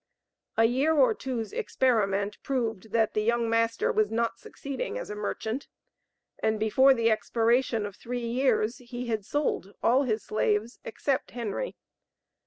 A year or two's experiment proved that the young master was not succeeding as a merchant, and before the expiration of three years he had sold all his slaves except Henry.